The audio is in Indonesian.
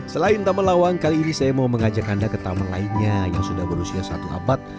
selain taman lawang kali ini saya mau mengajak anda ke taman lainnya yang sudah berusia satu abad